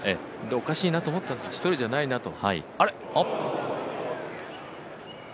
おかしいなと思ったんです２人じゃないなと。